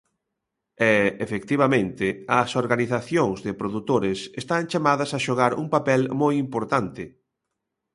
E, efectivamente, as organizacións de produtores están chamadas a xogar un papel moi importante.